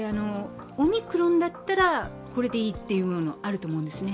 オミクロンだったら、これでいいというのはあると思うんですね。